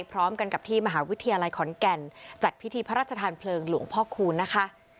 พร้อมกันกับที่มหาวิทยาลัยขอนแก่นจัดพิธีพระราชทานเพลิงหลวงพ่อคูณนะคะ